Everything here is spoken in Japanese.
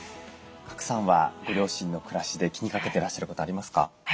賀来さんはご両親の暮らしで気にかけてらっしゃることありますか？